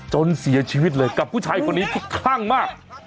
จนเสียชีวิตเลยกับผู้ชายคนนี้ทุกครั้งมาก